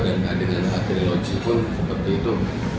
dan dengan kaya yang terilogis pun seperti itu